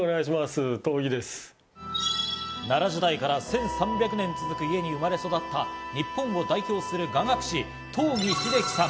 奈良時代から１３００年続く家に生まれ育った日本代表する雅楽師・東儀秀樹さん。